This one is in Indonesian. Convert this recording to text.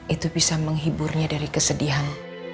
itu bisa menghiburnya dari kesedihan